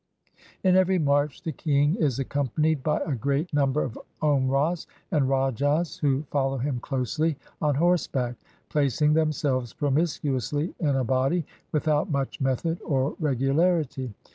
In every march the king is accompanied by a great number of Omrahs and Rajahs, who follow him closely on horseback, placing themselves promiscuously in a body, without much method or regularity.